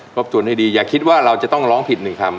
บทวนให้ดีอย่าคิดว่าเราจะต้องร้องผิดหนึ่งคำ